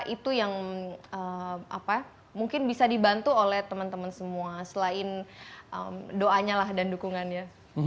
itu yang mungkin bisa dibantu oleh teman teman semua selain doanya lah dan dukungannya